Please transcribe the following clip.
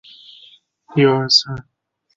北周改名石城郡。